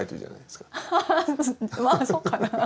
まあそうかな。